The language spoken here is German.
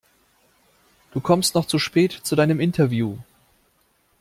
Du kommst noch zu spät zu deinem Interview.